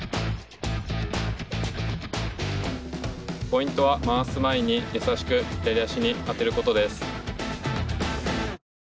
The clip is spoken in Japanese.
ポイントは回す前にやさしく左足にあてることです。